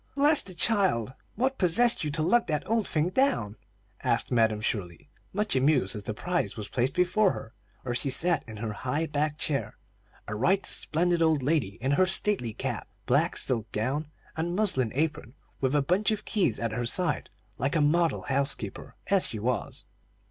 "Bless the child! What possessed you to lug that old thing down?" asked Madam Shirley, much amused as the prize was placed before her, where she sat in her high backed chair, a right splendid old lady in her stately cap, black silk gown, and muslin apron, with a bunch of keys at her side, like a model housekeeper, as she was.